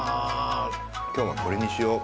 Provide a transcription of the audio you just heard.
今日はこれにしよう。